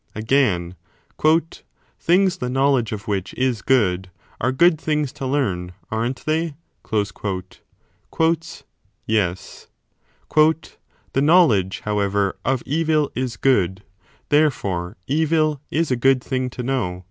Again, Things the know ^5 ledge of which is good, are good things to learn, aren t they ? Yes. The knowledge, however, of evil is good : 3 therefore evil is a good thing to know.